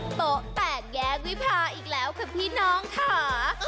โต๊ะแตกแยกวิพาอีกแล้วค่ะพี่น้องค่ะ